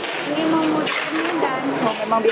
ini memudik ini dan memang biasa dibeli oleh oleh pempek ya